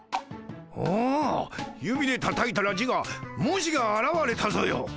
おお指でたたいたら字が文字があらわれたぞよ！